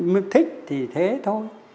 mình thích thì thế thôi